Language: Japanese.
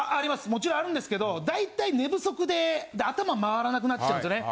もちろんあるんですけど大体寝不足で頭回らなくなっちゃうんですよね。